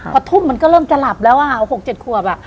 พอทุ่มมันก็เริ่มจะหลับแล้ว๖๗ขวบ